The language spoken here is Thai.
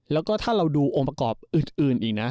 แล้วก็ถ้าเราดูองค์ประกอบอื่นอีกนะ